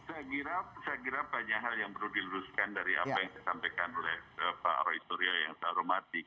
saya kira banyak hal yang perlu diluruskan dari apa yang disampaikan oleh pak roy suryo yang saya hormati